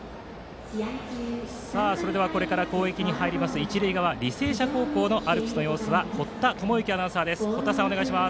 それでは攻撃に入ります、一塁側履正社高校のアルプスの様子は堀田智之アナウンサーです。